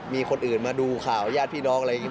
มีคนอื่นมาดูข่าวญาติพี่น้องอะไรอย่างนี้